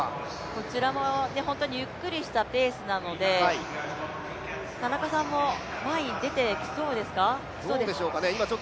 こちらもゆっくりしたペースなので田中さんも前に出てきそうですか。